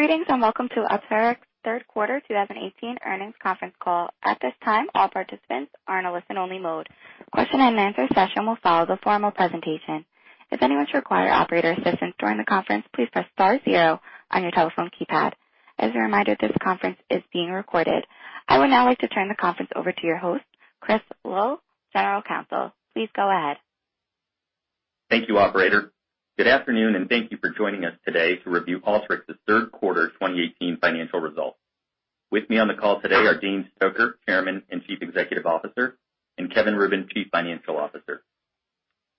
Greetings, welcome to Alteryx third quarter 2018 earnings conference call. At this time, all participants are in a listen-only mode. Question and answer session will follow the formal presentation. If anyone should require operator assistance during the conference, please press star zero on your telephone keypad. As a reminder, this conference is being recorded. I would now like to turn the conference over to your host, Chris Lal, General Counsel. Please go ahead. Thank you, operator. Good afternoon, thank you for joining us today to review Alteryx's third quarter 2018 financial results. With me on the call today are Dean Stoecker, Chairman and Chief Executive Officer, and Kevin Rubin, Chief Financial Officer.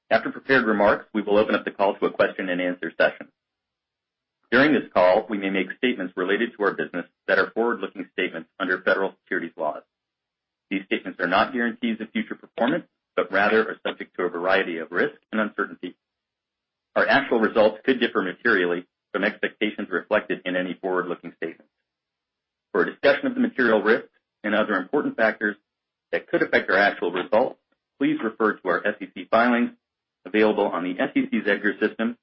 After prepared remarks, we will open up the call to a question and answer session. During this call, we may make statements related to our business that are forward-looking statements under federal securities laws. These statements are not guarantees of future performance, but rather are subject to a variety of risks and uncertainties. For a discussion of the material risks and other important factors that could affect our actual results, please refer to our SEC filings available on the SEC's EDGAR system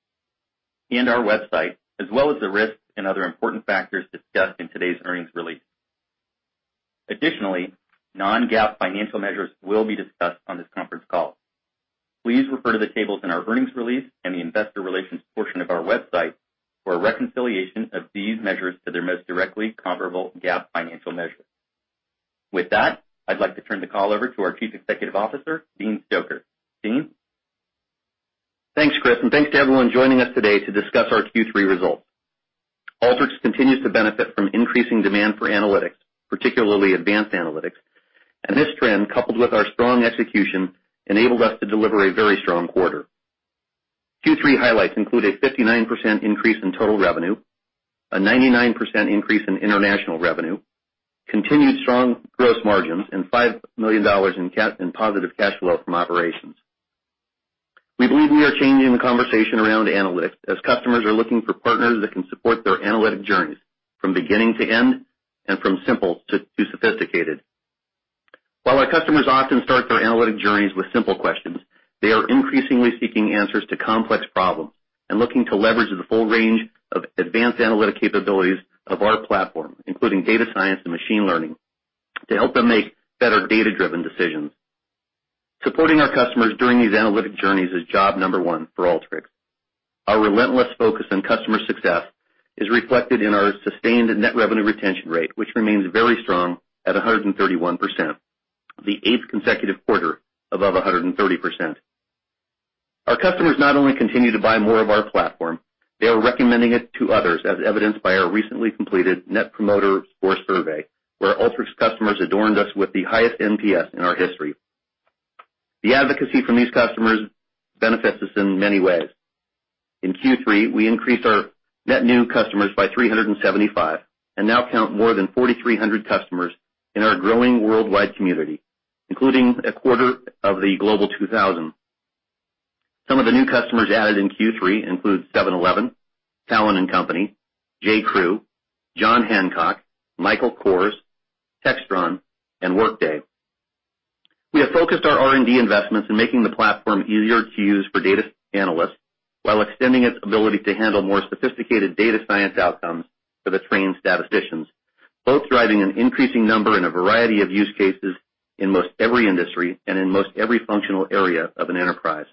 and our website, as well as the risks and other important factors discussed in today's earnings release. Non-GAAP financial measures will be discussed on this conference call. Please refer to the tables in our earnings release and the investor relations portion of our website for a reconciliation of these measures to their most directly comparable GAAP financial measures. With that, I'd like to turn the call over to our Chief Executive Officer, Dean Stoecker. Dean? Thanks, Chris, thanks to everyone joining us today to discuss our Q3 results. Alteryx continues to benefit from increasing demand for analytics, particularly advanced analytics. This trend, coupled with our strong execution, enabled us to deliver a very strong quarter. Q3 highlights include a 59% increase in total revenue, a 99% increase in international revenue, continued strong gross margins, and $5 million in positive cash flow from operations. We believe we are changing the conversation around analytics, as customers are looking for partners that can support their analytic journeys from beginning to end, and from simple to sophisticated. While our customers often start their analytic journeys with simple questions, they are increasingly seeking answers to complex problems and looking to leverage the full range of advanced analytic capabilities of our platform, including data science and machine learning, to help them make better data-driven decisions. Supporting our customers during these analytic journeys is job number one for Alteryx. Our relentless focus on customer success is reflected in our sustained net revenue retention rate, which remains very strong at 131%, the eighth consecutive quarter above 130%. Our customers not only continue to buy more of our platform, they are recommending it to others, as evidenced by our recently completed Net Promoter Score survey, where Alteryx customers adorned us with the highest NPS in our history. The advocacy from these customers benefits us in many ways. In Q3, we increased our net new customers by 375 and now count more than 4,300 customers in our growing worldwide community, including a quarter of the Global 2000. Some of the new customers added in Q3 include 7-Eleven, Talon & Company, J.Crew, John Hancock, Michael Kors, Textron, and Workday. We have focused our R&D investments in making the platform easier to use for data analysts while extending its ability to handle more sophisticated data science outcomes for the trained statisticians, both driving an increasing number and a variety of use cases in most every industry and in most every functional area of an enterprise.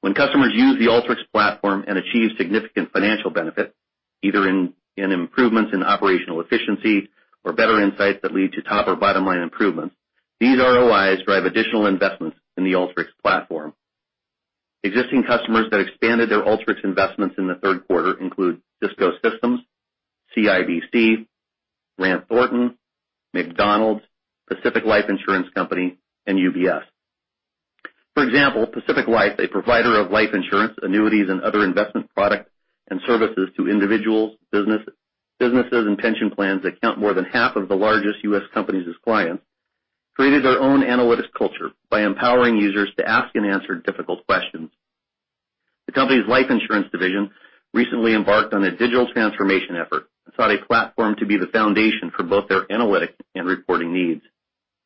When customers use the Alteryx platform and achieve significant financial benefit, either in improvements in operational efficiency or better insights that lead to top or bottom-line improvements, these ROIs drive additional investments in the Alteryx platform. Existing customers that expanded their Alteryx investments in the third quarter include Cisco Systems, CIBC, Grant Thornton, McDonald's, Pacific Life Insurance Company, and UBS. For example, Pacific Life, a provider of life insurance, annuities, and other investment products and services to individuals, businesses, and pension plans that count more than half of the largest U.S. companies as clients, created their own analytics culture by empowering users to ask and answer difficult questions. The company's life insurance division recently embarked on a digital transformation effort and sought a platform to be the foundation for both their analytics and reporting needs.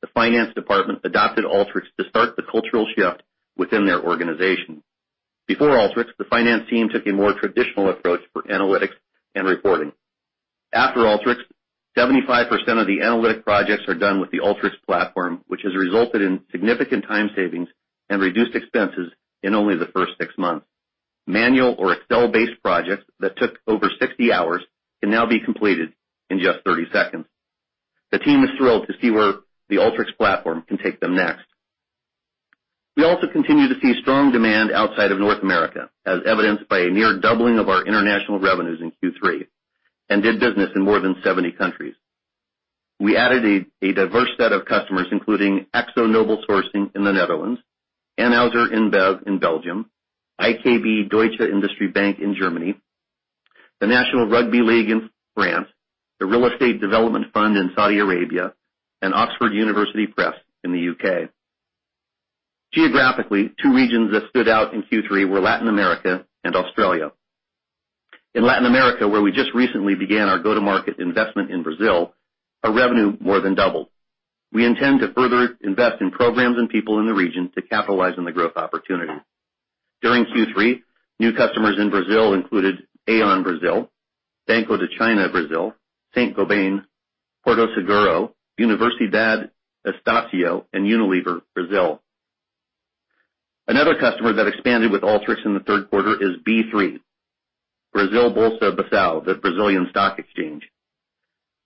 The finance department adopted Alteryx to start the cultural shift within their organization. Before Alteryx, the finance team took a more traditional approach for analytics and reporting. After Alteryx, 75% of the analytic projects are done with the Alteryx platform, which has resulted in significant time savings and reduced expenses in only the first six months. Manual or Excel-based projects that took over 60 hours can now be completed in just 30 seconds. The team is thrilled to see where the Alteryx platform can take them next. We also continue to see strong demand outside of North America, as evidenced by a near doubling of our international revenues in Q3, and did business in more than 70 countries. We added a diverse set of customers, including AkzoNobel Sourcing in the Netherlands, Anheuser-InBev in Belgium, IKB Deutsche Industriebank in Germany, the National Rugby League in France, the Real Estate Development Fund in Saudi Arabia, and Oxford University Press in the U.K. Geographically, two regions that stood out in Q3 were Latin America and Australia. In Latin America, where we just recently began our go-to-market investment in Brazil, our revenue more than doubled. We intend to further invest in programs and people in the region to capitalize on the growth opportunity. During Q3, new customers in Brasil included Aon Brasil, Banco da China Brasil, Saint-Gobain, Porto Seguro, Universidade Estácio, and Unilever Brasil. Another customer that expanded with Alteryx in the third quarter is B3, Brasil, Bolsa Balcão, the Brazilian Stock Exchange.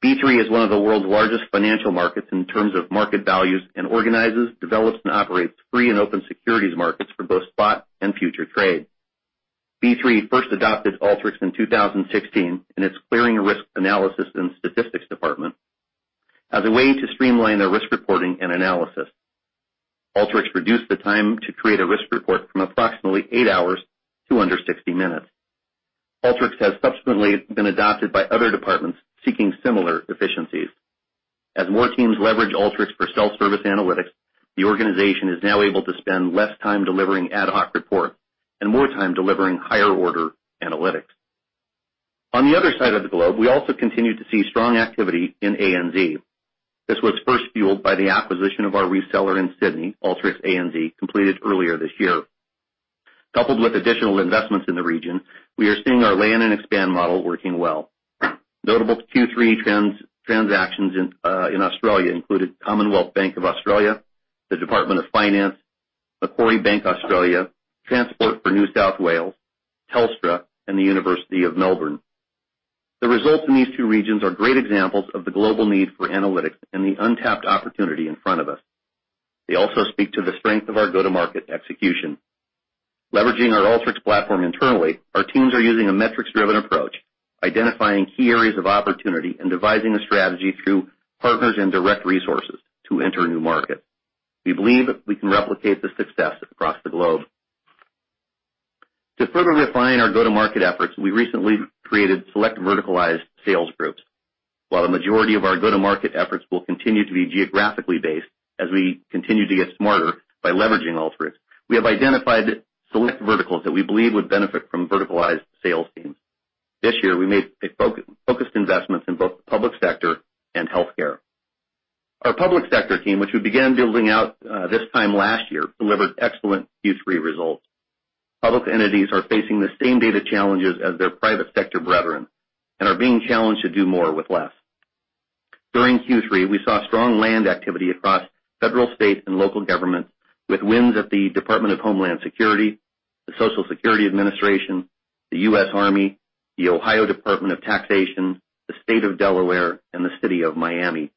B3 is one of the world's largest financial markets in terms of market values and organizes, develops, and operates free and open securities markets for both spot and futures trade. B3 first adopted Alteryx in 2016 in its clearing, risk analysis, and statistics department as a way to streamline their risk reporting and analysis. Alteryx reduced the time to create a risk report from approximately eight hours to under 60 minutes. Alteryx has subsequently been adopted by other departments seeking similar efficiencies. As more teams leverage Alteryx for self-service analytics, the organization is now able to spend less time delivering ad hoc reports and more time delivering higher-order analytics. On the other side of the globe, we also continue to see strong activity in ANZ. This was first fueled by the acquisition of our reseller in Sydney, Alteryx ANZ, completed earlier this year. Coupled with additional investments in the region, we are seeing our land and expand model working well. Notable Q3 transactions in Australia included Commonwealth Bank of Australia, the Department of Finance, Macquarie Bank Australia, Transport for NSW, Telstra, and the University of Melbourne. The results in these two regions are great examples of the global need for analytics and the untapped opportunity in front of us. They also speak to the strength of our go-to-market execution. Leveraging our Alteryx platform internally, our teams are using a metrics-driven approach, identifying key areas of opportunity, and devising a strategy through partners and direct resources to enter new markets. We believe we can replicate this success across the globe. To further refine our go-to-market efforts, we recently created select verticalized sales groups. While the majority of our go-to-market efforts will continue to be geographically based as we continue to get smarter by leveraging Alteryx, we have identified select verticals that we believe would benefit from verticalized sales teams. This year, we made focused investments in both the public sector and healthcare. Our public sector team, which we began building out this time last year, delivered excellent Q3 results. Public entities are facing the same data challenges as their private sector brethren and are being challenged to do more with less. During Q3, we saw strong land activity across federal, state, and local governments with wins at the Department of Homeland Security, the Social Security Administration, the U.S. Army, the Ohio Department of Taxation, the State of Delaware, and the City of Miami.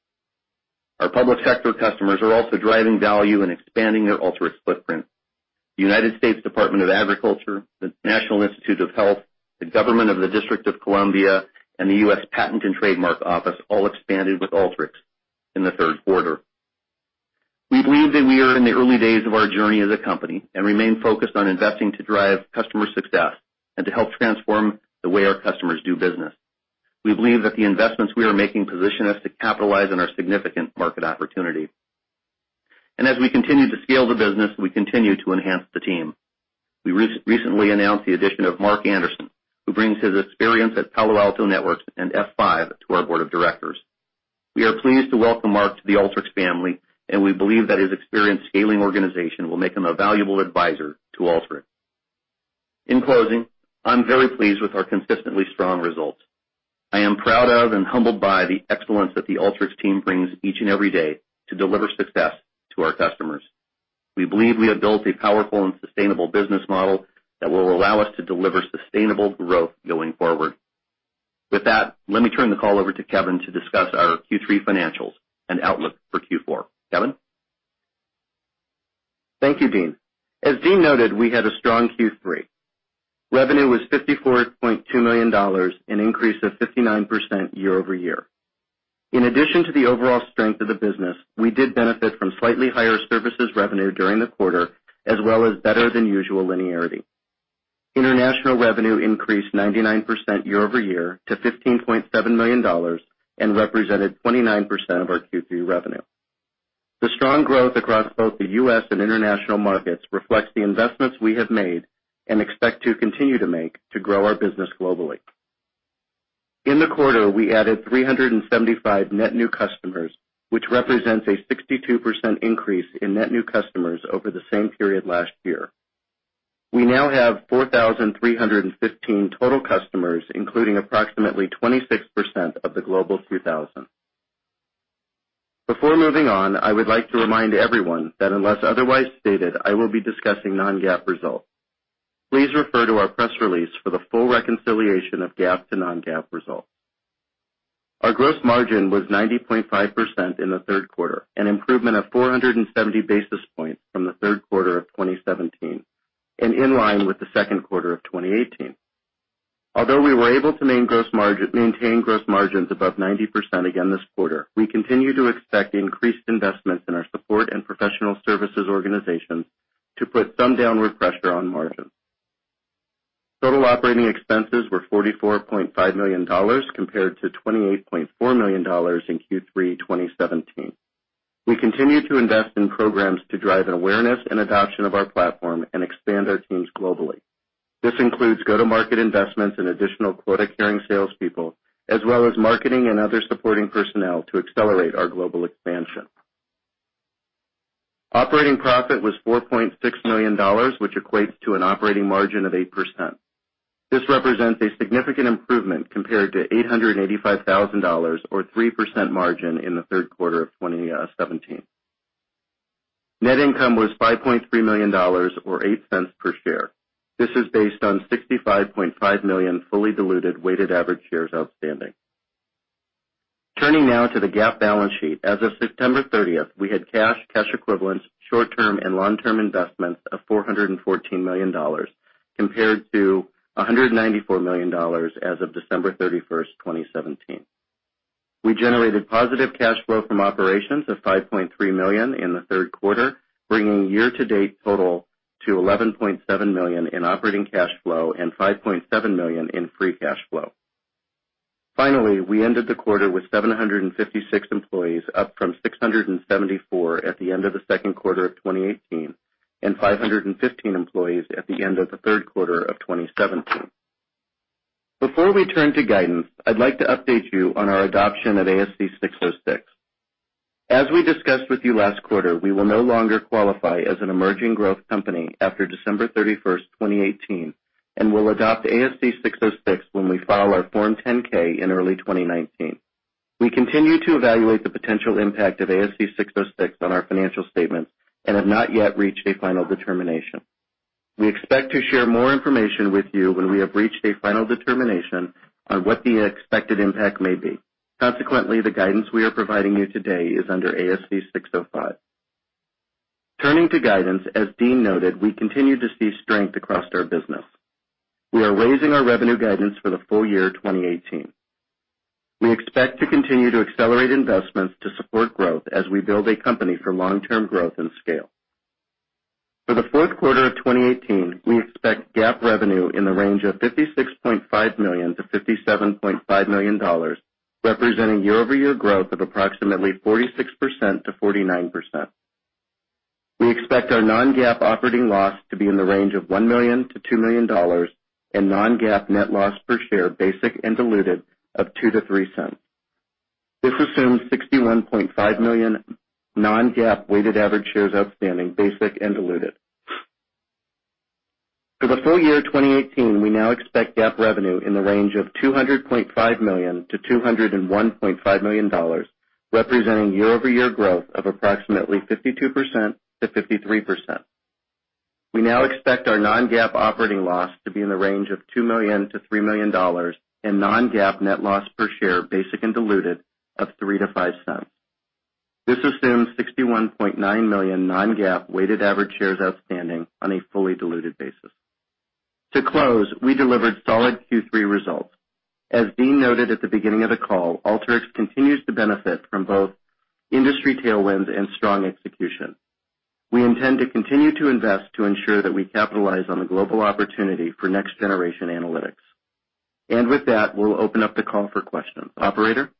Our public sector customers are also driving value in expanding their Alteryx footprint. The United States Department of Agriculture, the National Institutes of Health, the government of the District of Columbia, and the U.S. Patent and Trademark Office all expanded with Alteryx in the third quarter. We believe that we are in the early days of our journey as a company and remain focused on investing to drive customer success and to help transform the way our customers do business. We believe that the investments we are making position us to capitalize on our significant market opportunity. We continue to scale the business, we continue to enhance the team. We recently announced the addition of Mark Anderson, who brings his experience at Palo Alto Networks and F5 to our board of directors. We are pleased to welcome Mark to the Alteryx family, and we believe that his experience scaling organizations will make him a valuable advisor to Alteryx. In closing, I'm very pleased with our consistently strong results. I am proud of and humbled by the excellence that the Alteryx team brings each and every day to deliver success to our customers. We believe we have built a powerful and sustainable business model that will allow us to deliver sustainable growth going forward. With that, let me turn the call over to Kevin to discuss our Q3 financials and outlook for Q4. Kevin? Thank you, Dean. As Dean noted, we had a strong Q3. Revenue was $54.2 million, an increase of 59% year-over-year. In addition to the overall strength of the business, we did benefit from slightly higher services revenue during the quarter, as well as better-than-usual linearity. International revenue increased 99% year-over-year to $15.7 million and represented 29% of our Q3 revenue. The strong growth across both the U.S. and international markets reflects the investments we have made and expect to continue to make to grow our business globally. In the quarter, we added 375 net new customers, which represents a 62% increase in net new customers over the same period last year. We now have 4,315 total customers, including approximately 26% of the Global 2000. Before moving on, I would like to remind everyone that unless otherwise stated, I will be discussing non-GAAP results. Please refer to our press release for the full reconciliation of GAAP to non-GAAP results. Our gross margin was 90.5% in the third quarter, an improvement of 470 basis points from the third quarter of 2017 and in line with the second quarter of 2018. Although we were able to maintain gross margins above 90% again this quarter, we continue to expect increased investments in our support and professional services organizations to put some downward pressure on margins. Total operating expenses were $44.5 million compared to $28.4 million in Q3 2017. We continue to invest in programs to drive awareness and adoption of our platform and expand our teams globally. This includes go-to-market investments and additional quota-carrying salespeople, as well as marketing and other supporting personnel to accelerate our global expansion. Operating profit was $4.6 million, which equates to an operating margin of 8%. This represents a significant improvement compared to $885,000 or 3% margin in the third quarter of 2017. Net income was $5.3 million or $0.08 per share. This is based on 65.5 million fully diluted weighted average shares outstanding. Turning now to the GAAP balance sheet. As of September 30th, we had cash equivalents, short-term and long-term investments of $414 million, compared to $194 million as of December 31st, 2017. We generated positive cash flow from operations of $5.3 million in the third quarter, bringing year-to-date total to $11.7 million in operating cash flow and $5.7 million in free cash flow. Finally, we ended the quarter with 756 employees, up from 674 at the end of the second quarter of 2018, and 515 employees at the end of the third quarter of 2017. Before we turn to guidance, I'd like to update you on our adoption of ASC 606. As we discussed with you last quarter, we will no longer qualify as an emerging growth company after December 31st, 2018, and will adopt ASC 606 when we file our Form 10-K in early 2019. We continue to evaluate the potential impact of ASC 606 on our financial statements and have not yet reached a final determination. We expect to share more information with you when we have reached a final determination on what the expected impact may be. Consequently, the guidance we are providing you today is under ASC 605. Turning to guidance, as Dean noted, we continue to see strength across our business. We are raising our revenue guidance for the full year 2018. We expect to continue to accelerate investments to support growth as we build a company for long-term growth and scale. For the fourth quarter of 2018, we expect GAAP revenue in the range of $56.5 million-$57.5 million, representing year-over-year growth of approximately 46%-49%. We expect our non-GAAP operating loss to be in the range of $1 million-$2 million and non-GAAP net loss per share, basic and diluted, of $0.02-$0.03. This assumes 61.5 million non-GAAP weighted average shares outstanding, basic and diluted. For the full year 2018, we now expect GAAP revenue in the range of $200.5 million-$201.5 million, representing year-over-year growth of approximately 52%-53%. We now expect our non-GAAP operating loss to be in the range of $2 million-$3 million and non-GAAP net loss per share, basic and diluted, of $0.03-$0.05. This assumes 61.9 million non-GAAP weighted average shares outstanding on a fully diluted basis. To close, we delivered solid Q3 results. As Dean noted at the beginning of the call, Alteryx continues to benefit from both industry tailwinds and strong execution. We intend to continue to invest to ensure that we capitalize on the global opportunity for next-generation analytics. With that, we'll open up the call for questions. Operator?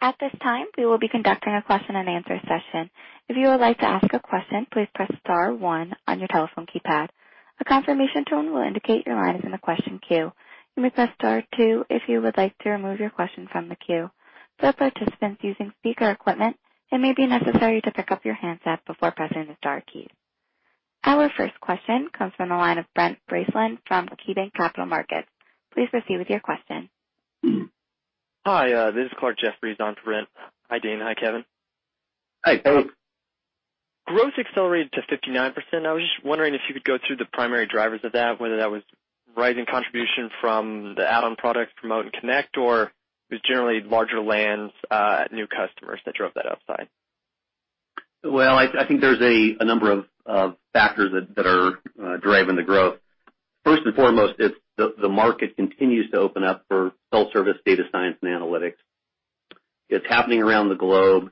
At this time, we will be conducting a question and answer session. If you would like to ask a question, please press star one on your telephone keypad. A confirmation tone will indicate your line is in the question queue. You may press star two if you would like to remove your question from the queue. For participants using speaker equipment, it may be necessary to pick up your handset before pressing the star key. Our first question comes from the line of Brent Bracelin from KeyBanc Capital Markets. Please proceed with your question. Hi, this is Clarke Jeffries on for Brent. Hi, Dean. Hi, Kevin. Hi. Hi. Growth accelerated to 59%. I was just wondering if you could go through the primary drivers of that, whether that was rising contribution from the add-on products, Promote and Connect, or it was generally larger lands, new customers that drove that upside. Well, I think there's a number of factors that are driving the growth. First and foremost, it's the market continues to open up for self-service data science and analytics. It's happening around the globe.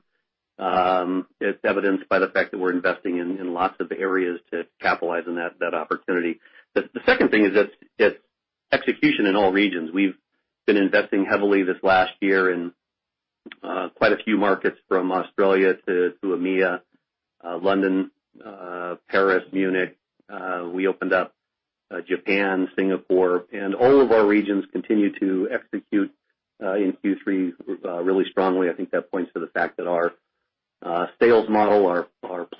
It's evidenced by the fact that we're investing in lots of areas to capitalize on that opportunity. The second thing is it's execution in all regions. We've been investing heavily this last year in quite a few markets from Australia to EMEA, London, Paris, Munich. We opened up Japan, Singapore, and all of our regions continue to execute in Q3 really strongly. I think that points to the fact that our sales model, our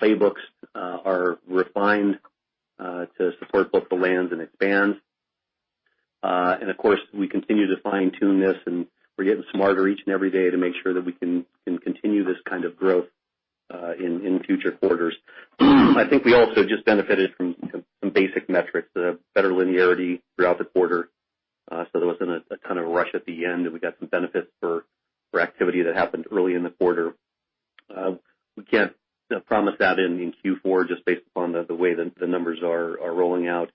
playbooks are refined to support both the lands and expands. Of course, we continue to fine-tune this, and we're getting smarter each and every day to make sure that we can continue this kind of growth in future quarters. I think we also just benefited from some basic metrics, the better linearity throughout the quarter. There wasn't a kind of rush at the end, and we got some benefits for activity that happened early in the quarter. We can't promise that in Q4 just based upon the way the numbers are rolling out.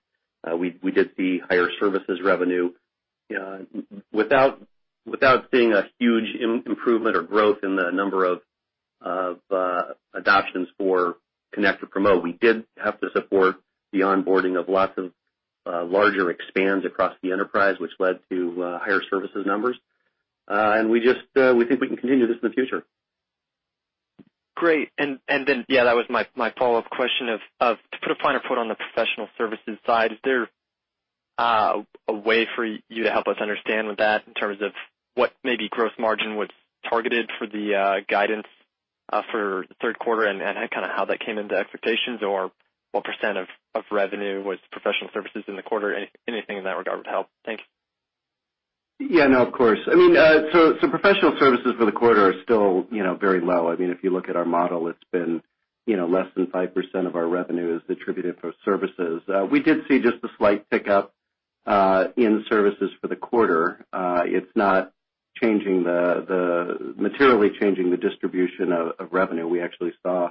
We did see higher services revenue without seeing a huge improvement or growth in the number of adoptions for Connect or Promote. We did have to support the onboarding of lots of larger expands across the enterprise, which led to higher services numbers. We think we can continue this in the future. Great. That was my follow-up question of, to put a finer point on the professional services side, is there a way for you to help us understand with that in terms of what maybe gross margin was targeted for the guidance for the third quarter and how that came into expectations, or what % of revenue was professional services in the quarter, anything in that regard would help. Thank you. Yeah, no, of course. Professional services for the quarter are still very low. If you look at our model, it's been less than 5% of our revenue is attributed for services. We did see just a slight pickup in services for the quarter. It's not materially changing the distribution of revenue. We actually saw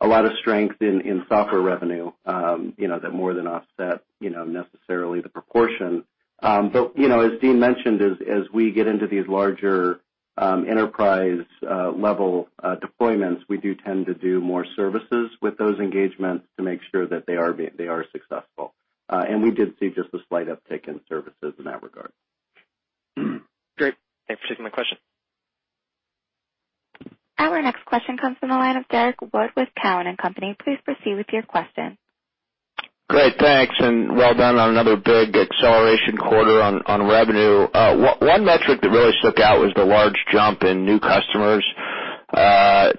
a lot of strength in software revenue that more than offset necessarily the proportion. As Dean mentioned, as we get into these larger enterprise-level deployments, we do tend to do more services with those engagements to make sure that they are successful. We did see just a slight uptick in services in that regard. Great. Thanks for taking my question. Our next question comes from the line of Derrick Wood with Cowen and Company. Please proceed with your question. Great. Thanks. Well done on another big acceleration quarter on revenue. One metric that really stuck out was the large jump in new customers. Kevin,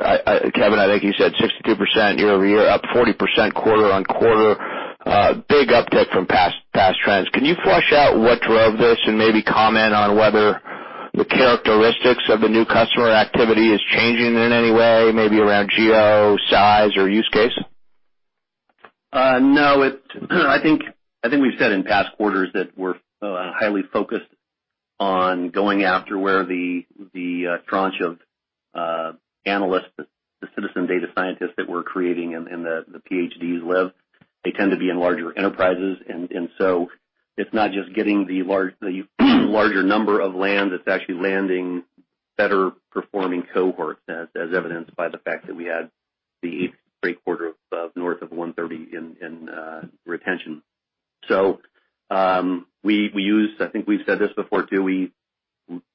I think you said 62% year-over-year, up 40% quarter-on-quarter. Big uptick from past trends. Can you flesh out what drove this and maybe comment on whether the characteristics of the new customer activity is changing in any way, maybe around geo, size, or use case? I think we've said in past quarters that we're highly focused on going after where the tranche of analysts, the citizen data scientists that we're creating and the PhDs live. They tend to be in larger enterprises. It's not just getting the larger number of land, it's actually landing better performing cohorts as evidenced by the fact that we had the eighth straight quarter of north of 130% in retention. We use, I think we've said this before too, we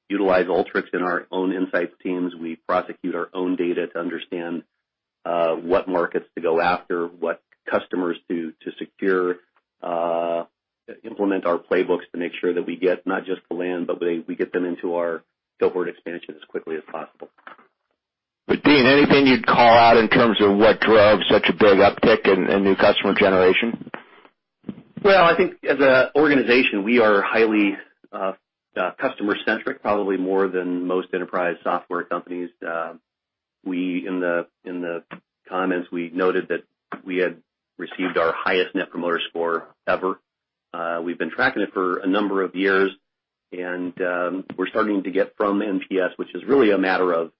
utilize Alteryx in our own insights teams. We prosecute our own data to understand what markets to go after, what customers to secure, implement our playbooks to make sure that we get not just the land, but we get them into our cohort expansion as quickly as possible. Dean, anything you'd call out in terms of what drove such a big uptick in new customer generation? I think as an organization, we are highly customer-centric, probably more than most enterprise software companies. In the comments, we noted that we had received our highest Net Promoter Score ever. We've been tracking it for a number of years, and we're starting to get from NPS, which is really a matter of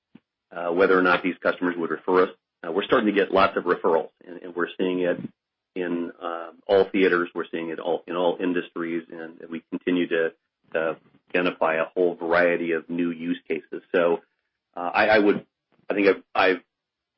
whether or not these customers would refer us. We're starting to get lots of referrals, and we're seeing it in all theaters. We're seeing it in all industries, and we continue to identify a whole variety of new use cases. I think I've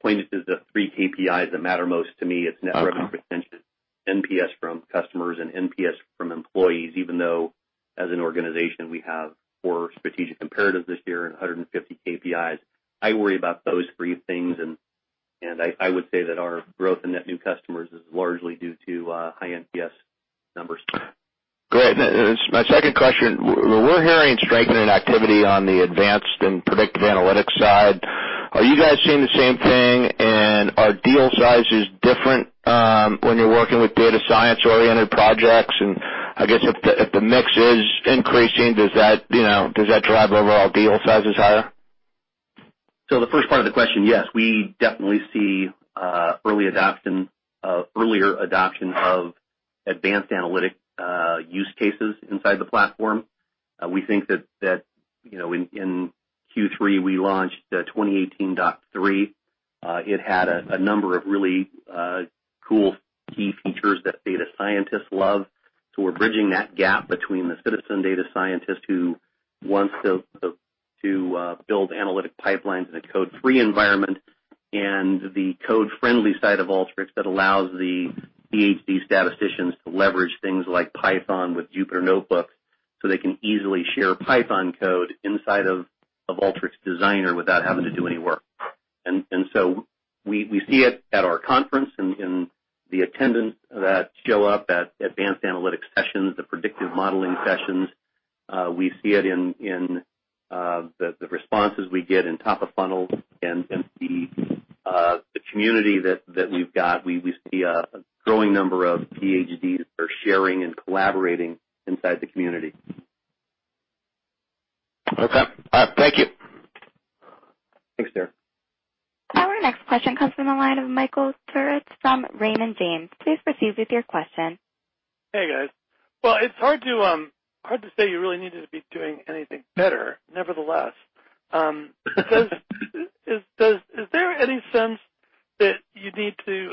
pointed to the three KPIs that matter most to me. It's net revenue retention, NPS from customers, and NPS from employees, even though as an organization, we have four strategic imperatives this year and 150 KPIs. I worry about those three things. I would say that our growth in net new customers is largely due to high NPS numbers. Great. My second question, we're hearing strengthening activity on the advanced and predictive analytics side. Are you guys seeing the same thing? Are deal sizes different when you're working with data science-oriented projects? I guess if the mix is increasing, does that drive overall deal sizes higher? The first part of the question, yes, we definitely see earlier adoption of advanced analytic use cases inside the platform. We think that in Q3, we launched the 2018.3. It had a number of really cool key features that data scientists love. We're bridging that gap between the citizen data scientist who wants to build analytic pipelines in a code-free environment and the code-friendly side of Alteryx that allows the PhD statisticians to leverage things like Python with Jupyter Notebooks so they can easily share Python code inside of Alteryx Designer without having to do any work. We see it at our conference in the attendance that show up at advanced analytics sessions, the predictive modeling sessions. We see it in the responses we get in top of funnels and the community that we've got. We see a growing number of PhDs that are sharing and collaborating inside the community. Okay. All right. Thank you. Thanks, Derrick. Our next question comes from the line of Michael Turits from Raymond James. Please proceed with your question. Hey, guys. Well, it's hard to say you really needed to be doing anything better. Nevertheless Is there any sense that you need to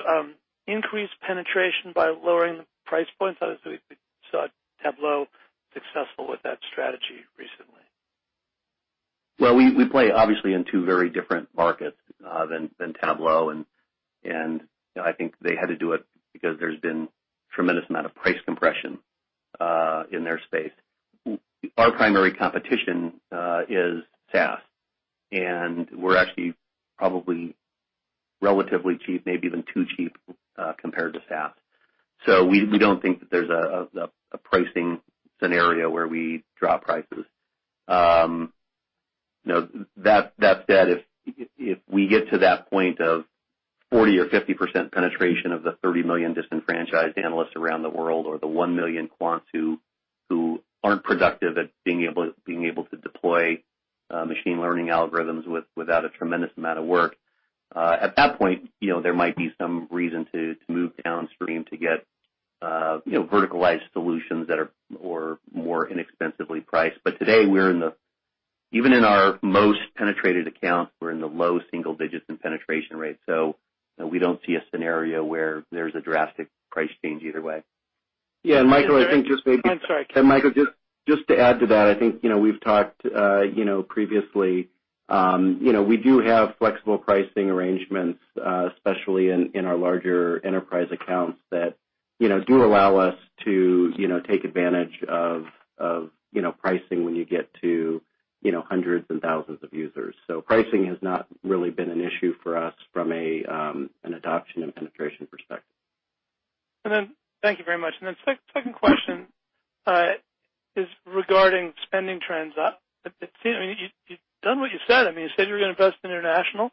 increase penetration by lowering the price points? Obviously, we saw Tableau successful with that strategy recently. We play obviously in two very different markets than Tableau, and I think they had to do it because there's been a tremendous amount of price compression in their space. Our primary competition is SaaS. We're actually probably relatively cheap, maybe even too cheap, compared to SaaS. We don't think that there's a pricing scenario where we drop prices. That said, if we get to that point of 40% or 50% penetration of the 30 million disenfranchised analysts around the world, or the 1 million quants who aren't productive at being able to deploy machine learning algorithms without a tremendous amount of work. At that point, there might be some reason to move downstream to get verticalized solutions that are more inexpensively priced. Today, even in our most penetrated accounts, we're in the low single digits in penetration rates. We don't see a scenario where there's a drastic price change either way. Yeah, Michael, I think just maybe. I'm sorry. Michael, just to add to that, I think we've talked previously. We do have flexible pricing arrangements, especially in our larger enterprise accounts that do allow us to take advantage of pricing when you get to hundreds and thousands of users. Pricing has not really been an issue for us from an adoption and penetration perspective. Thank you very much. Second question is regarding spending trends. You've done what you said. You said you were going to invest in international,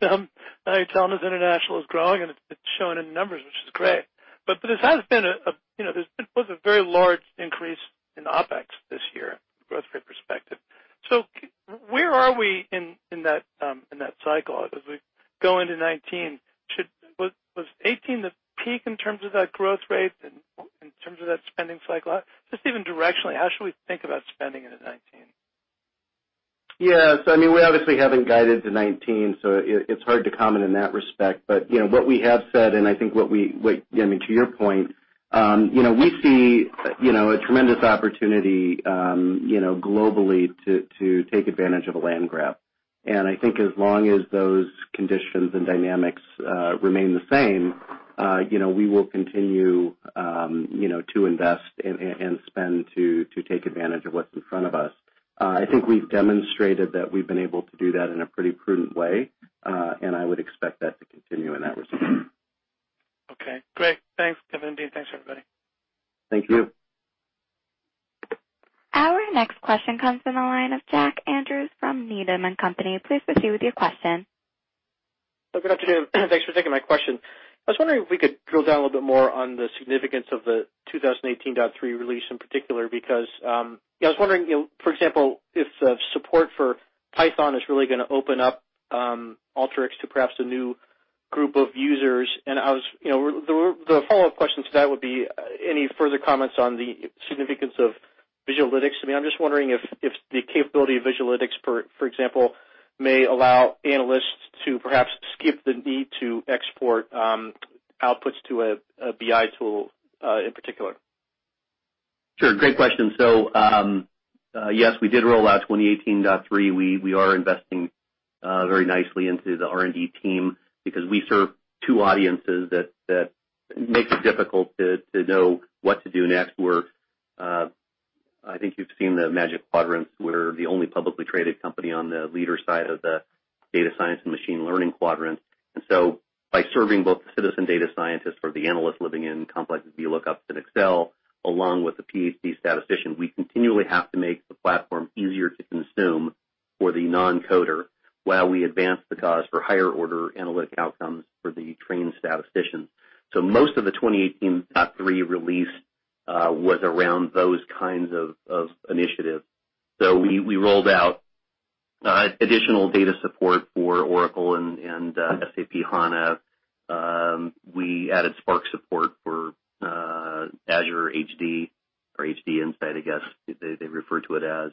now you're telling us international is growing, and it's showing in the numbers, which is great. There's been a very large increase in OpEx this year, growth rate perspective. Where are we in that cycle as we go into 2019? Was 2018 the peak in terms of that growth rate and in terms of that spending cycle? Just even directionally, how should we think about spending into 2019? Yes. I mean, we obviously haven't guided to 2019, it's hard to comment in that respect. What we have said, and I think to your point, we see a tremendous opportunity globally to take advantage of a land grab. I think as long as those conditions and dynamics remain the same, we will continue to invest and spend to take advantage of what's in front of us. I think we've demonstrated that we've been able to do that in a pretty prudent way, and I would expect that to continue in that respect. Okay, great. Thanks, Kevin and Dean. Thanks, everybody. Thank you. Our next question comes from the line of Jack Andrews from Needham & Company. Please proceed with your question. Good afternoon. Thanks for taking my question. I was wondering if we could drill down a little bit more on the significance of the 2018.3 release in particular, because I was wondering, for example, if support for Python is really going to open up Alteryx to perhaps a new group of users. The follow-up question to that would be, any further comments on the significance of Visualytics? I'm just wondering if the capability of Visualytics, for example, may allow analysts to perhaps skip the need to export outputs to a BI tool, in particular. Sure, great question. Yes, we did roll out 2018.3. We are investing very nicely into the R&D team because we serve two audiences that makes it difficult to know what to do next. I think you've seen the Magic Quadrants. We're the only publicly traded company on the leader side of the data science and machine learning quadrant. By serving both the citizen data scientists or the analysts living in complex VLOOKUPs in Excel, along with the PhD statistician, we continually have to make the platform easier to consume for the non-coder while we advance the cause for higher order analytic outcomes for the trained statistician. Most of the 2018.3 release was around those kinds of initiatives. We rolled out additional data support for Oracle and SAP HANA. We added Spark support for Azure HDInsight, I guess, they refer to it as.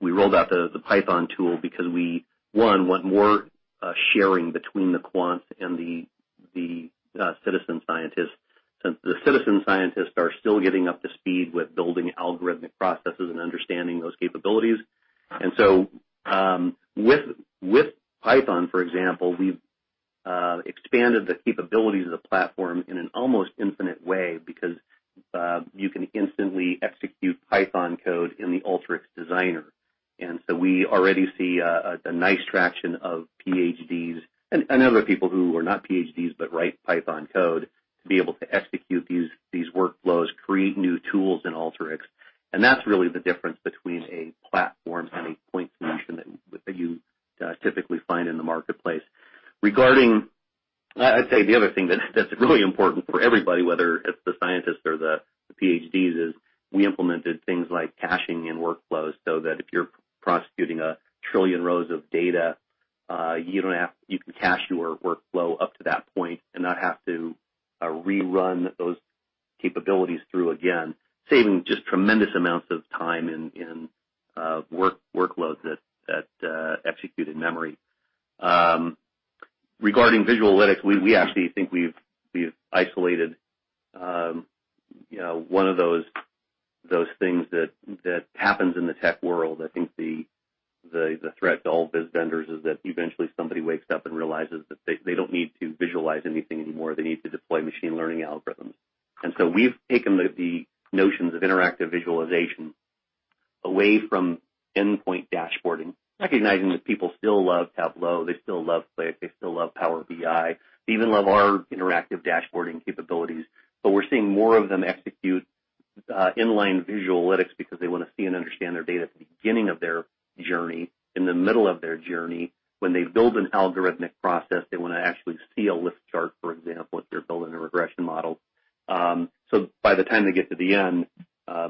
We rolled out the Python tool because we, one, want more sharing between the quants and the citizen scientists, since the citizen scientists are still getting up to speed with building algorithmic processes and understanding those capabilities. With Python, for example, we've expanded the capabilities of the platform in an almost infinite way because you can instantly execute Python code in the Alteryx Designer. We already see a nice traction of PhDs and other people who are not PhDs but write Python code to be able to execute these workflows, create new tools in Alteryx, and that's really the difference between a platform and a point solution that you typically find in the marketplace. I'd say the other thing that's really important for everybody, whether it's the scientists or the PhDs, is we implemented things like caching in workflows, so that if you're prosecuting a trillion rows of data, you can cache your workflow up to that point and not have to rerun those capabilities through again, saving just tremendous amounts of time in workloads that execute in-memory. Regarding Visualytics, we actually think we've isolated one of those things that happens in the tech world. I think the threat to all biz vendors is that eventually somebody wakes up and realizes that they don't need to visualize anything anymore. They need to deploy machine learning algorithms. We've taken the notions of interactive visualization away from endpoint dashboarding, recognizing that people still love Tableau, they still love Qlik, they still love Power BI. They even love our interactive dashboarding capabilities. We're seeing more of them execute inline visual analytics because they want to see and understand their data at the beginning of their journey, in the middle of their journey. When they build an algorithmic process, they want to actually see a lift chart, for example, if they're building a regression model. By the time they get to the end,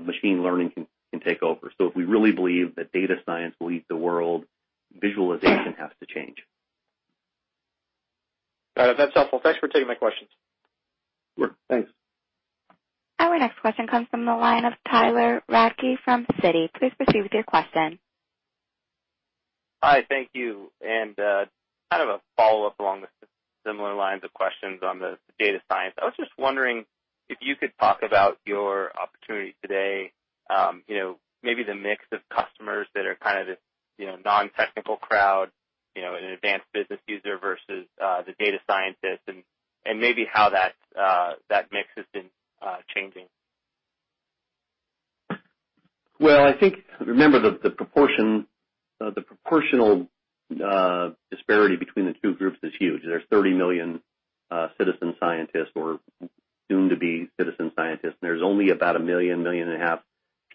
machine learning can take over. If we really believe that data science will lead the world, visualization has to change. Got it. That's helpful. Thanks for taking my questions. Sure. Thanks. Our next question comes from the line of Tyler Radke from Citi. Please proceed with your question. Kind of a follow-up along the similar lines of questions on the data science. I was just wondering if you could talk about your opportunities today, maybe the mix of customers that are kind of this non-technical crowd, an advanced business user versus the data scientist, and maybe how that mix has been changing. Well, I think, remember, the proportional disparity between the two groups is huge. There's 30 million citizen scientists or soon to be citizen scientists, and there's only about one million, one and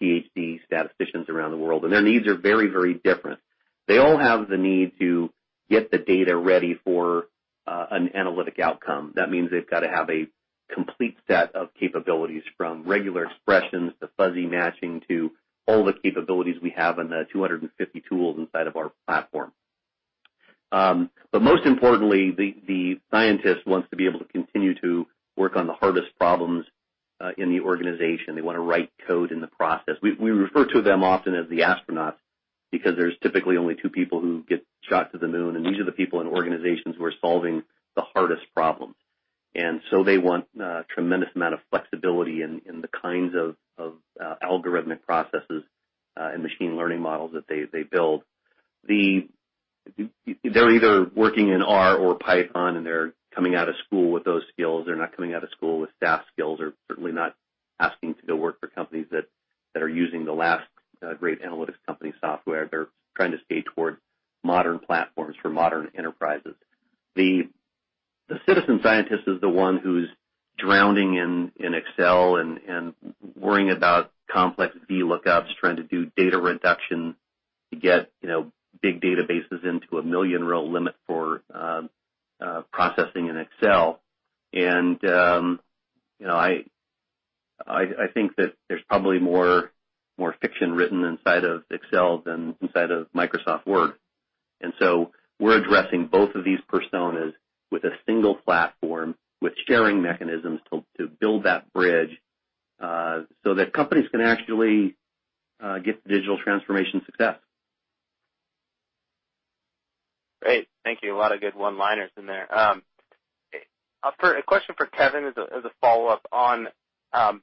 a half million PhD statisticians around the world. Their needs are very different. They all have the need to get the data ready for an analytic outcome. That means they've got to have a complete set of capabilities, from regular expressions to fuzzy matching to all the capabilities we have in the 250 tools inside of our platform. Most importantly, the scientist wants to be able to continue to work on the hardest problems in the organization. They want to write code in the process. We refer to them often as the astronauts because there's typically only two people who get shot to the moon, and these are the people in organizations who are solving the hardest problems. They want a tremendous amount of flexibility in the kinds of algorithmic processes and machine learning models that they build. They're either working in R or Python, and they're coming out of school with those skills. They're not coming out of school with SAS skills, or certainly not asking to go work for companies that are using the last great analytics company software. They're trying to stay toward modern platforms for modern enterprises. The citizen scientist is the one who's drowning in Excel and worrying about complex VLOOKUPs, trying to do data reduction to get big databases into a 1 million-row limit for processing in Excel. I think that there's probably more fiction written inside of Excel than inside of Microsoft Word. We're addressing both of these personas with a single platform, with sharing mechanisms to build that bridge so that companies can actually get the digital transformation success. Great. Thank you. A lot of good one-liners in there. A question for Kevin as a follow-up on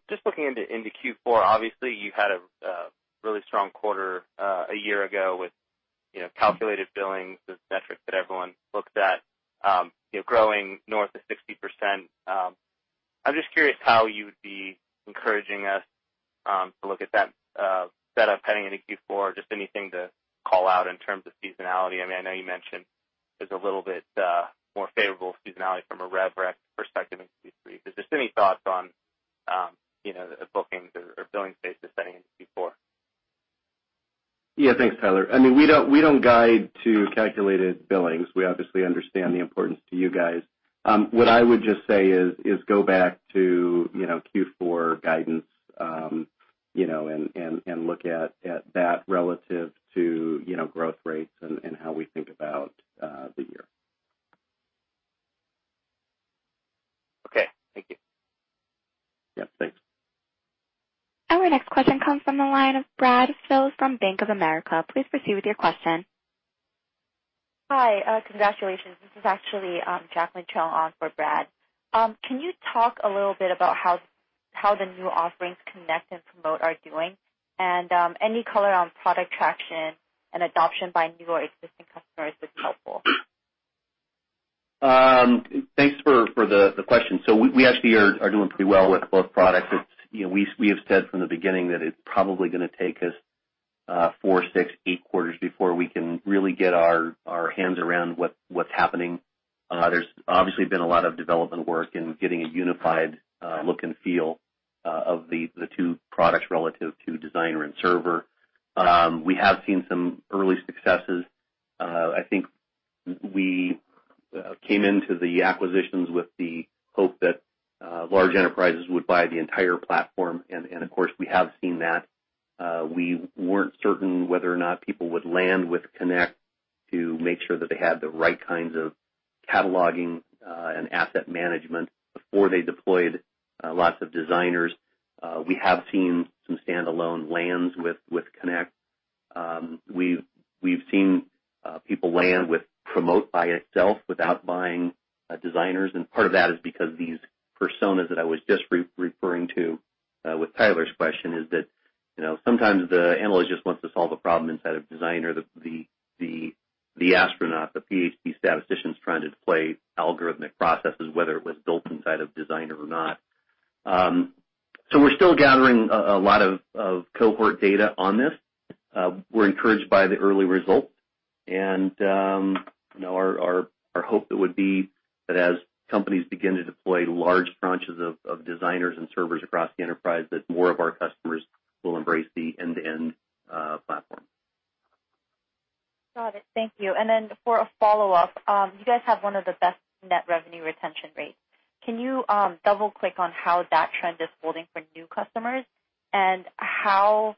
just looking into Q4. Obviously, you had a really strong quarter a year ago with calculated billings, the metric that everyone looks at, growing north of 60%. I'm just curious how you would be encouraging us to look at that setup heading into Q4, just anything to call out in terms of seasonality. I know you mentioned there's a little bit more favorable seasonality from a rev rec perspective in Q3. But just any thoughts on the bookings or billings basis heading into Q4? Yeah. Thanks, Tyler. We don't guide to calculated billings. We obviously understand the importance to you guys. What I would just say is go back to Q4 guidance, and look at that relative to growth rates and how we think about the year. Okay. Thank you. Yeah. Thanks. Our next question comes from the line of Brad Sills from Bank of America. Please proceed with your question. Hi. Congratulations. This is actually Jacqueline Cheong on for Brad. Can you talk a little bit about how the new offerings Connect and Promote are doing? Any color on product traction and adoption by new or existing customers would be helpful. Thanks for the question. We actually are doing pretty well with both products. We have said from the beginning that it's probably going to take us four, six, eight quarters before we can really get our hands around what's happening. There's obviously been a lot of development work in getting a unified look and feel of the two products relative to Designer and Server. We have seen some early successes. I think we came into the acquisitions with the hope that large enterprises would buy the entire platform, and of course, we have seen that. We weren't certain whether or not people would land with Connect to make sure that they had the right kinds of cataloging and asset management before they deployed lots of Designers. We have seen some standalone lands with Connect. We've seen people land with Promote by itself without buying Designers, and part of that is because these personas that I was just referring to with Tyler's question is that sometimes the analyst just wants to solve a problem inside of Designer, the astronaut, the PhD statistician is trying to deploy algorithmic processes, whether it was built inside of Designer or not. We're still gathering a lot of cohort data on this. We're encouraged by the early results. Our hope it would be that as companies begin to deploy large tranches of Designer and Servers across the enterprise, that more of our customers will embrace the end-to-end platform. Got it. Thank you. For a follow-up, you guys have one of the best net revenue retention rates. Can you double-click on how that trend is holding for new customers, and how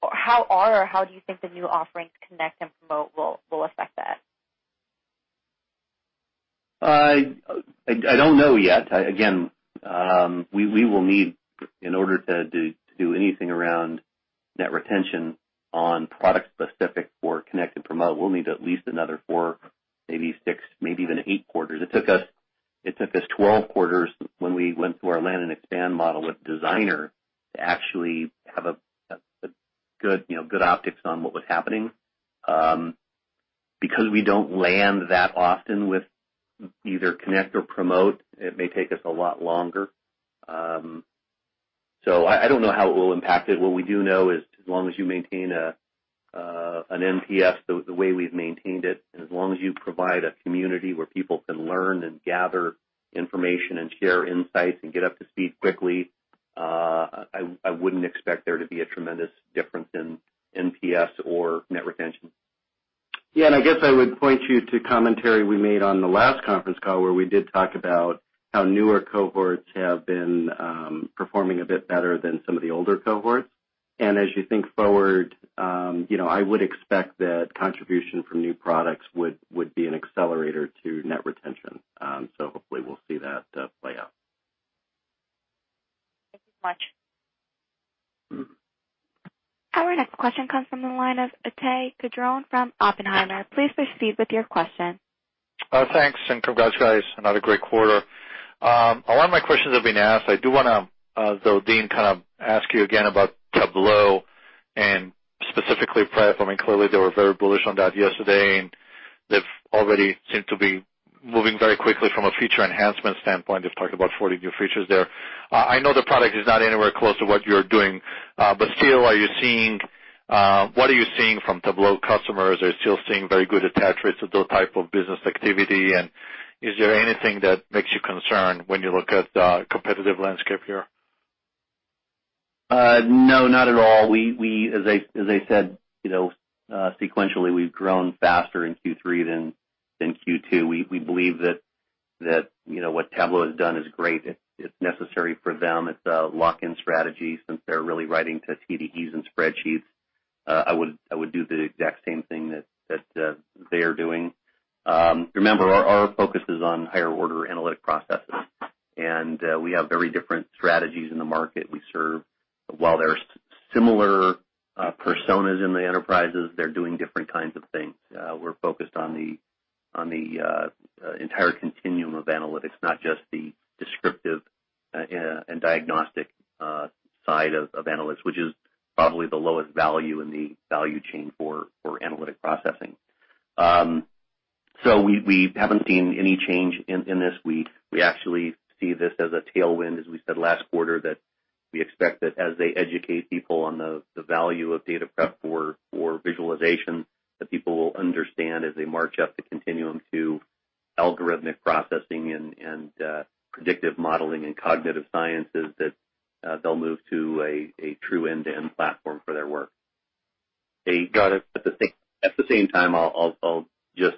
are or how do you think the new offerings Connect and Promote will affect that? I don't know yet. Again, we will need, in order to do anything around net retention on products specific for Connect and Promote, we'll need at least another four, maybe six, maybe even eight quarters. It took us 12 quarters when we went through our land and expand model with Designer to actually have a good optics on what was happening. Because we don't land that often with either Connect or Promote, it may take us a lot longer. I don't know how it will impact it. What we do know is, as long as you maintain an NPS the way we've maintained it, and as long as you provide a community where people can learn and gather information and share insights and get up to speed quickly, I wouldn't expect there to be a tremendous difference in NPS or net retention. I guess I would point you to commentary we made on the last conference call where we did talk about how newer cohorts have been performing a bit better than some of the older cohorts. As you think forward, I would expect that contribution from new products would be an accelerator to net retention. Hopefully we'll see that play out. Thank you much. Our next question comes from the line of Ittai Kidron from Oppenheimer. Please proceed with your question. Thanks, congrats, guys. Another great quarter. A lot of my questions have been asked. I do want to, though, Dean, kind of ask you again about Tableau, specifically platform. Clearly they were very bullish on that yesterday, they've already seemed to be moving very quickly from a feature enhancement standpoint. They've talked about 40 new features there. I know the product is not anywhere close to what you're doing. Still, what are you seeing from Tableau customers? Are you still seeing very good attach rates of those type of business activity, is there anything that makes you concerned when you look at the competitive landscape here? No, not at all. As I said sequentially, we've grown faster in Q3 than in Q2. We believe that what Tableau has done is great. It's necessary for them. It's a lock-in strategy since they're really writing to TDEs and spreadsheets. I would do the exact same thing that they are doing. Remember, our focus is on higher-order analytic processes. We have very different strategies in the market we serve. While there's similar personas in the enterprises, they're doing different kinds of things. We're focused on the entire continuum of analytics, not just the descriptive and diagnostic side of analytics, which is probably the lowest value in the value chain for analytic processing. We haven't seen any change in this. We actually see this as a tailwind, as we said last quarter, that we expect that as they educate people on the value of data prep for visualization, that people will understand as they march up the continuum to algorithmic processing and predictive modeling and cognitive sciences, that they'll move to a true end-to-end platform for their work. Got it. At the same time, I'll just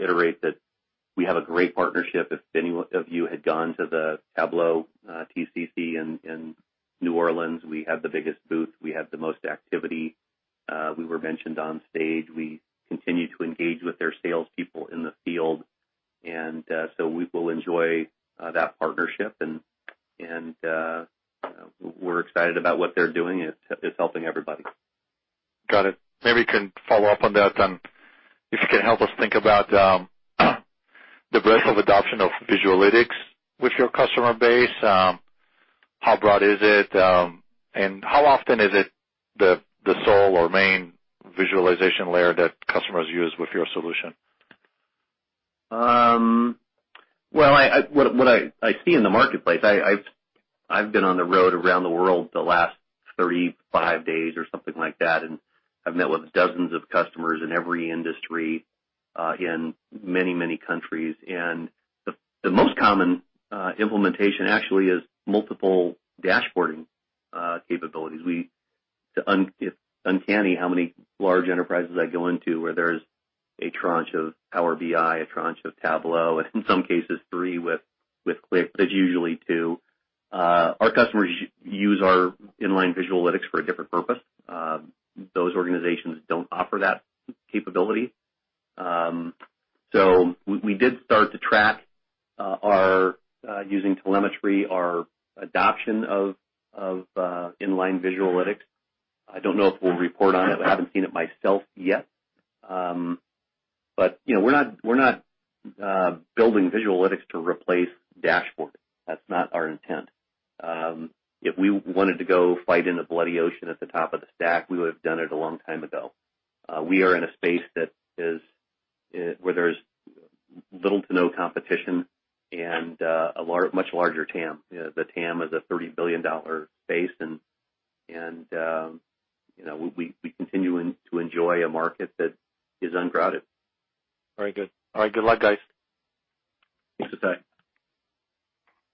iterate that we have a great partnership. If any of you had gone to the Tableau TCC in New Orleans, we had the biggest booth. We had the most activity. We were mentioned on stage. We continue to engage with their salespeople in the field. We will enjoy that partnership, and we're excited about what they're doing. It's helping everybody. Got it. Maybe you can follow up on that then. If you can help us think about the breadth of adoption of Visualytics with your customer base. How broad is it, and how often is it the sole or main visualization layer that customers use with your solution? Well, what I see in the marketplace, I've been on the road around the world the last 35 days or something like that, and I've met with dozens of customers in every industry, in many, many countries. The most common implementation actually is multiple dashboarding capabilities. It's uncanny how many large enterprises I go into where there's a tranche of Power BI, a tranche of Tableau, and in some cases three with Qlik, but it's usually two. Our customers use our inline Visualytics for a different purpose. Those organizations don't offer that capability. We did start to track using telemetry, our adoption of inline Visualytics. I don't know if we'll report on it. I haven't seen it myself yet. We're not building Visualytics to replace dashboarding. That's not our intent. If we wanted to go fight in the bloody ocean at the top of the stack, we would have done it a long time ago. We are in a space where there's little to no competition and a much larger TAM. The TAM is a $30 billion space, we continue to enjoy a market that is uncrowded. Very good. All right. Good luck, guys. Thanks the same.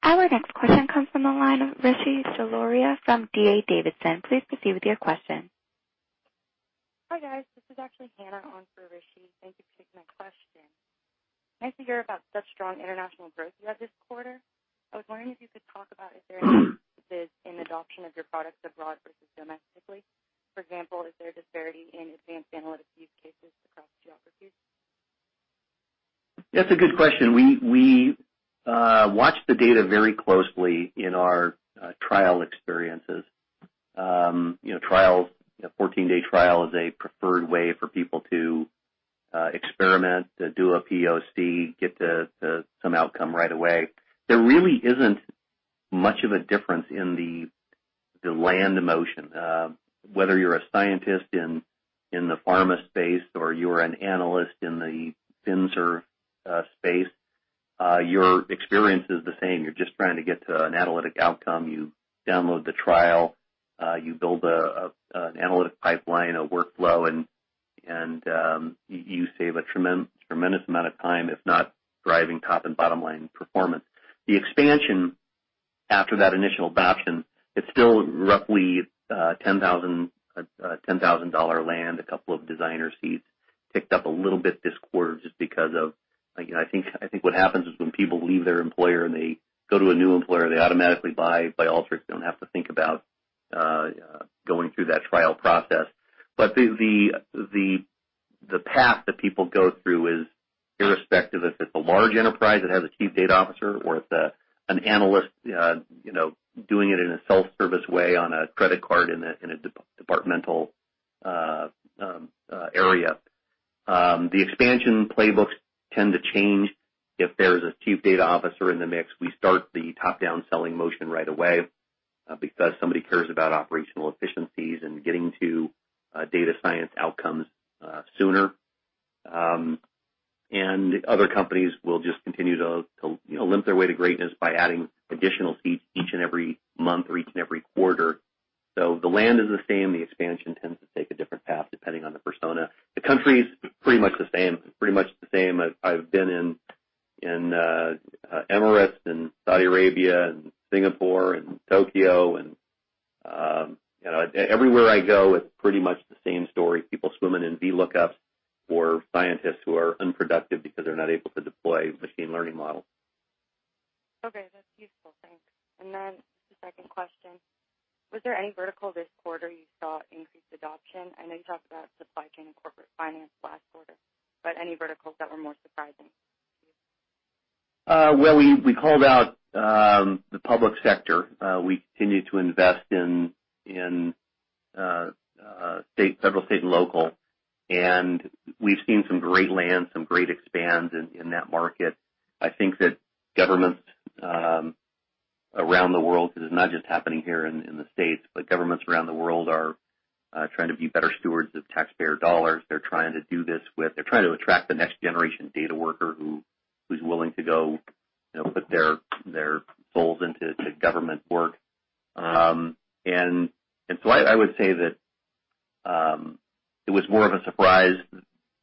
Our next question comes from the line of Rishi Jaluria from D.A. Davidson. Please proceed with your question. Hi, guys. This is actually Hannah on for Rishi. Thank you for taking my question. Nice to hear about such strong international growth you had this quarter. I was wondering if you could talk about if there are differences in adoption of your products abroad versus domestically. For example, is there a disparity in advanced analytics use cases across geographies? That's a good question. We watch the data very closely in our trial experiences. A 14-day trial is a preferred way for people to experiment, to do a POC, get some outcome right away. There really isn't much of a difference in the land motion. Whether you're a scientist in the pharma space or you're an analyst in the FinServ space, your experience is the same. You're just trying to get to an analytic outcome. You download the trial, you build an analytic pipeline, a workflow, and you save a tremendous amount of time, if not driving top and bottom-line performance. The expansion after that initial batching, it's still roughly a $10,000 land. A couple of Designer seats ticked up a little bit this quarter just because of. I think what happens is when people leave their employer and they go to a new employer, they automatically buy Alteryx. They don't have to think about going through that trial process. The path that people go through is irrespective if it's a large enterprise that has a chief data officer or if an analyst doing it in a self-service way on a credit card in a departmental area. The expansion playbooks tend to change. If there's a chief data officer in the mix, we start the top-down selling motion right away because somebody cares about operational efficiencies and getting to data science outcomes sooner. Other companies will just continue to limp their way to greatness by adding additional seats each and every month or each and every quarter. The land is the same. The expansion tends to take a different path depending on the persona. The country's pretty much the same. I've been in Emirates and Saudi Arabia and Singapore and Tokyo and everywhere I go, it's pretty much the same story. People swimming in VLOOKUPs or scientists who are unproductive because they're not able to deploy machine learning models. Okay. That's useful. Thanks. Then the second question, was there any vertical this quarter you saw increased adoption? I know you talked about supply chain and corporate finance last quarter, but any verticals that were more surprising? Well, we called out the public sector. We continue to invest in federal, state, and local, and we've seen some great land, some great expand in that market. I think that governments around the world, this is not just happening here in the U.S., but governments around the world are trying to be better stewards of taxpayer dollars. They're trying to attract the next generation data worker who's willing to go put their souls into government work. I would say that it was more of a surprise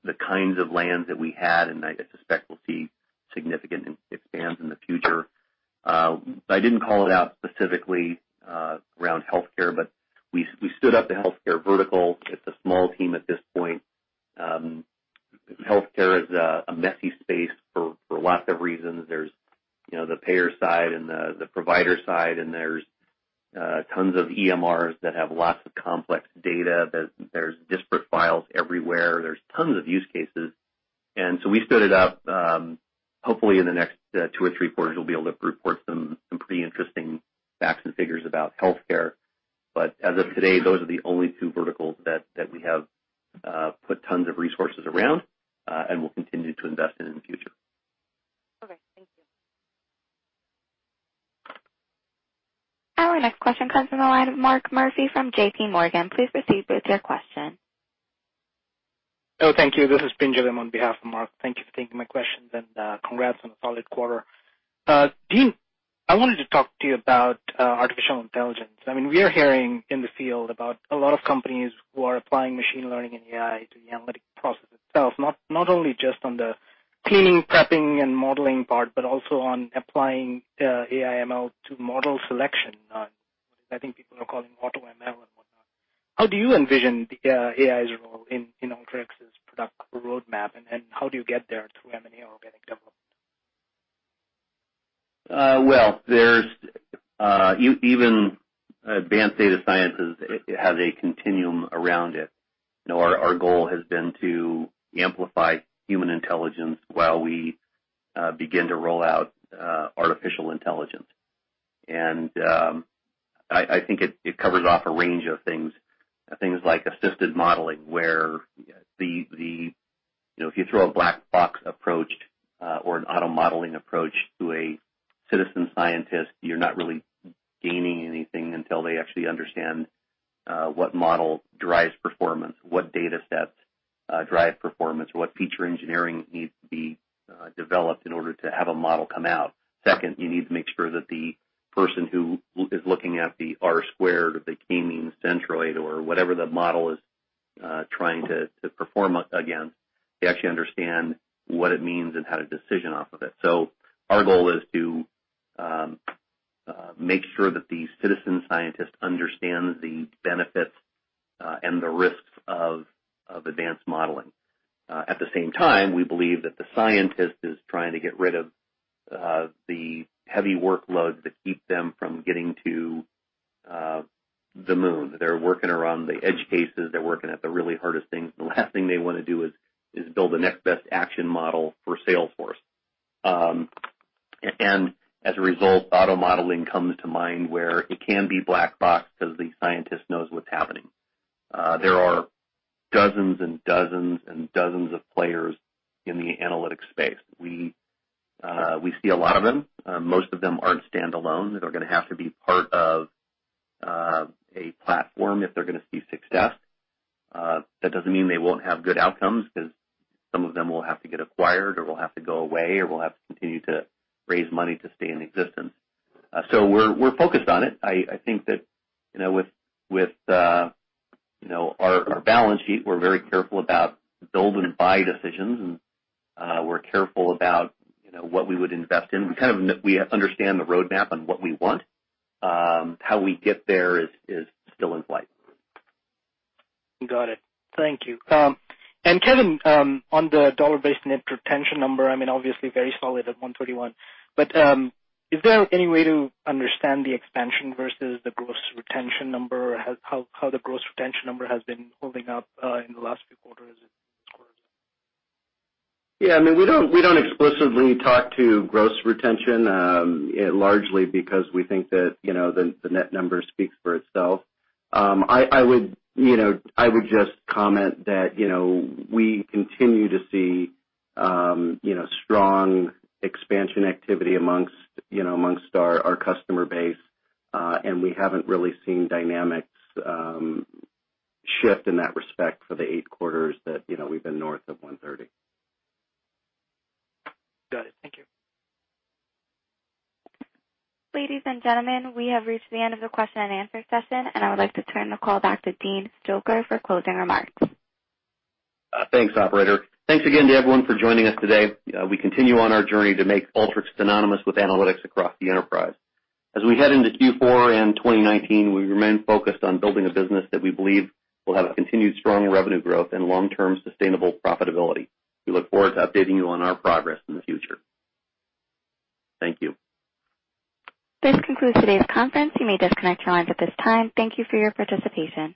the kinds of lands that we had, and I suspect we'll see significant expands in the future. I didn't call it out specifically around healthcare, but we stood up the healthcare vertical. It's a small team at this point. Healthcare is a messy space for lots of reasons. There's the payer side and the provider side, and there's tons of EMRs that have lots of complex data. There's disparate files everywhere. There's tons of use cases. We stood it up. Hopefully, in the next two or three quarters, we'll be able to report some pretty interesting facts and figures about healthcare. As of today, those are the only two verticals that we have put tons of resources around, and we'll continue to invest in the future. Okay. Thank you. Our next question comes from the line of Mark Murphy from JPMorgan. Please proceed with your question. Oh, thank you. This is Pinjalim on behalf of Mark. Thank you for taking my questions, and congrats on a solid quarter. Dean, I wanted to talk to you about artificial intelligence. We are hearing in the field about a lot of companies who are applying machine learning and AI to the analytic process itself, not only just on the cleaning, prepping, and modeling part, but also on applying the AI ML to model selection on what I think people are calling AutoML and whatnot. How do you envision AI's role in Alteryx's product roadmap, and how do you get there through M&A or organic development? Well, even advanced data sciences has a continuum around it. Our goal has been to amplify human intelligence while we begin to roll out artificial intelligence. I think it covers off a range of things. Things like assisted modeling, where if you throw a black box approach or an auto-modeling approach to a citizen scientist, you're not really gaining anything until they actually understand what model drives performance, what data sets drive performance, what feature engineering needs to be developed in order to have a model come out. Second, you need to make sure that the person who is looking at the R squared or the K-means centroid or whatever the model is trying to perform again, they actually understand what it means and had a decision off of it. Our goal is to make sure that the citizen scientist understands the benefits and the risks of advanced modeling. At the same time, we believe that the scientist is trying to get rid of the heavy workloads that keep them from getting to the moon. They're working around the edge cases. They're working at the really hardest things. The last thing they want to do is build the next best action model for Salesforce. As a result, auto-modeling comes to mind, where it can be black box because the scientist knows what's happening. There are dozens and dozens of players in the analytics space. We see a lot of them. Most of them aren't standalone. They're going to have to be part of a platform if they're going to see success. That doesn't mean they won't have good outcomes because some of them will have to get acquired or will have to go away, or will have to continue to raise money to stay in existence. We're focused on it. I think that with our balance sheet, we're very careful about build and buy decisions, and we're careful about what we would invest in. We understand the roadmap on what we want. How we get there is still in play. Got it. Thank you. Kevin, on the dollar-based net retention number, obviously very solid at 131, but is there any way to understand the expansion versus the gross retention number? How the gross retention number has been holding up in the last few quarters and this quarter? Yeah, we don't explicitly talk to gross retention, largely because we think that the net number speaks for itself. I would just comment that we continue to see strong expansion activity amongst our customer base, and we haven't really seen dynamics shift in that respect for the eight quarters that we've been north of 130. Got it. Thank you. Ladies and gentlemen, we have reached the end of the question and answer session, and I would like to turn the call back to Dean Stoecker for closing remarks. Thanks, operator. Thanks again to everyone for joining us today. We continue on our journey to make Alteryx synonymous with analytics across the enterprise. As we head into Q4 and 2019, we remain focused on building a business that we believe will have a continued strong revenue growth and long-term sustainable profitability. We look forward to updating you on our progress in the future. Thank you. This concludes today's conference. You may disconnect your lines at this time. Thank you for your participation.